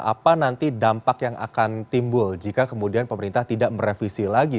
apa nanti dampak yang akan timbul jika kemudian pemerintah tidak merevisi lagi